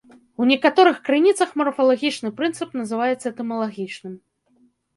У некаторых крыніцах марфалагічны прынцып называецца этымалагічным.